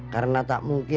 karena tak mungkin